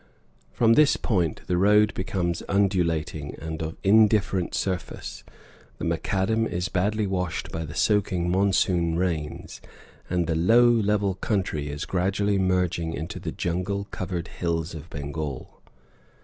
From this point the road becomes undulating, and of indifferent surface; the macadam is badly washed by the soaking monsoon rains, and the low, level country is gradually merging into the jungle covered hills of Bengal.